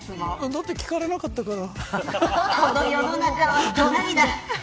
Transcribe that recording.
だって、聞かれなかったから。